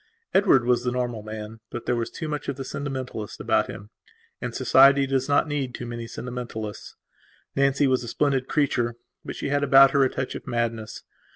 Edward was the normal man, but there was too much of the sentimentalist about him; and society does not need too many sentimentalists. Nancy was a splendid creature, but she had about her a touch of madness.